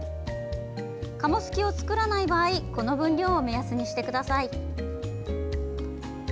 鴨好きを作らない場合この分量を目安にしてください。